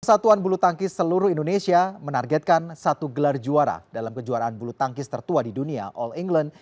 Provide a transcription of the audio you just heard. persatuan bulu tangkis seluruh indonesia menargetkan satu gelar juara dalam kejuaraan bulu tangkis tertua di dunia all england